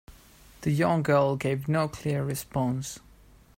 The young girl gave no clear response.